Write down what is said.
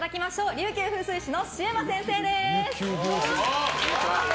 琉球風水志のシウマ先生です！